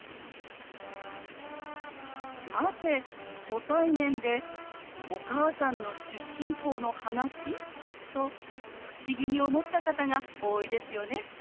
「なぜ初対面でお母さんの出身校の話？」と不思議に思った方が多いですよね。